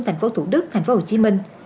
thành phố thủ đức thành phố hồ chí minh